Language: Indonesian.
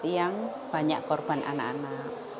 yang banyak korban anak anak